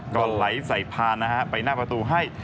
ก็ไหลใส่พานนะฮะไปหน้าประตูให้